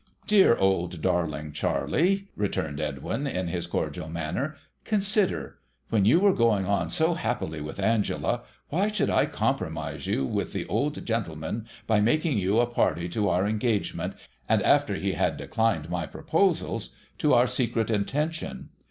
' Dear old darling Charley !' returned Edwin, in his cordial manner, ' consider ! When you were going on so happily with Angela, why should I compromise you with the old gentleman by making you a party to our engagement, and (after he had declined my proposals) to our secret intention